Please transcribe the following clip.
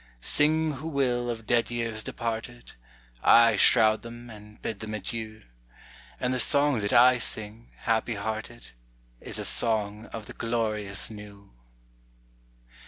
Sing who will of dead years departed, I shroud them and bid them adieu, And the song that I sing, happy hearted, Is a song of the glorious new.